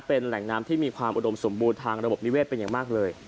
เป็นแหล่งน้ำที่มีความอุดมสมบูรณ์ทางระบบนิเวศเป็นอย่างมากเลย